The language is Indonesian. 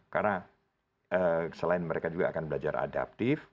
karena selain mereka juga akan belajar adaptif